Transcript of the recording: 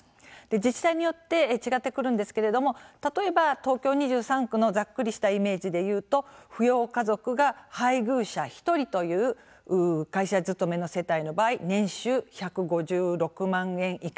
自治体によって違ってくるんですけれども例えば東京２３区のざっくりしたイメージで言うと扶養家族が配偶者１人という会社勤めの世帯の場合年収１５６万円以下。